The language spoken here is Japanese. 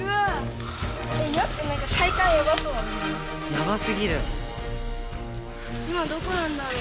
やばすぎる。